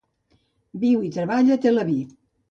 Viu i treballa a Tel Aviv.